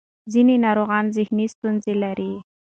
ځینې ناروغان ذهني ستونزې لري.